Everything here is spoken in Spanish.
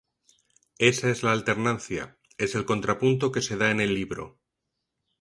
Esa es la alternancia, es el contrapunto que se da en el libro.